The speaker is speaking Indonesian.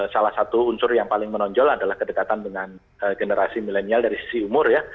salah satu unsur yang paling menonjol adalah kedekatan dengan generasi milenial dari sisi umur ya